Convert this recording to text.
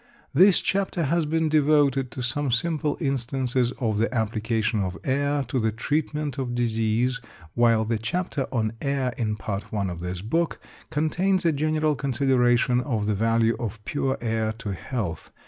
This chapter has been devoted to some simple instances of the application of air to the treatment of disease, while the chapter on Air in Part I of this book contains a general consideration of the value of pure air to health.